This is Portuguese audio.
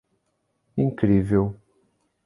Incrível